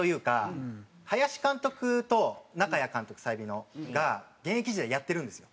林監督と中矢監督済美の。が現役時代やってるんですよ。